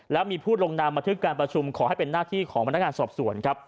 และมีผู้ลงนามบันทึกการประชุมขอให้เป็นหน้าที่ของบรรณาการสอบส่วน